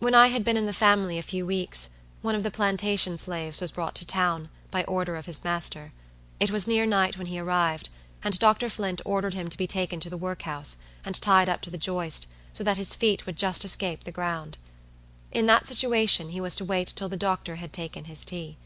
When I had been in the family a few weeks, one of the plantation slaves was brought to town, by order of his master. It was near night when he arrived, and Dr. Flint ordered him to be taken to the work house, and tied up to the joist, so that his feet would just escape the ground. In that situation he was to wait till the doctor had taken his tea.